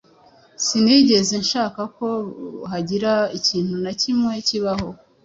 Sinigeze nshaka ko hagira ikintu na kimwe kibaho.